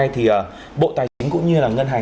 thì bộ tài chính cũng như là ngân hàng